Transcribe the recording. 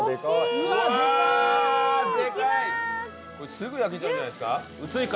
すぐ焼けちゃうんじゃないですか。